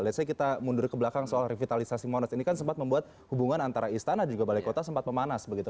let's say kita mundur ke belakang soal revitalisasi monas ini kan sempat membuat hubungan antara istana dan rejogabalai kota sempat memanas begitu